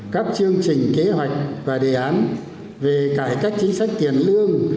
các chương trình kế hoạch và đề án về cải cách chính sách tiền lương